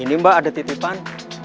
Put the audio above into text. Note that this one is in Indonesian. ini mbak ada titipan